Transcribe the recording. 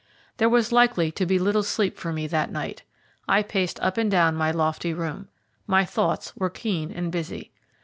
There was likely to be little sleep for me that night. I paced up and down my lofty room. My thoughts were keen and busy.